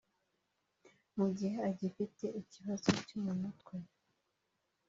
Mu gihe agifite ikibazo cyo mu mutwe